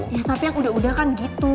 ya tapi yang udah udah kan gitu